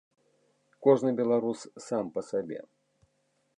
Кожны беларус сам па сабе.